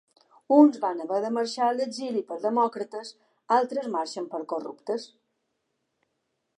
Uns van haver de marxar a l'exili per demòcrates, altres marxen per corruptes.